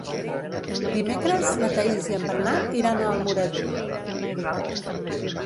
Dimecres na Thaís i en Bernat iran a Almoradí.